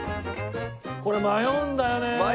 これ迷うんだよねえ。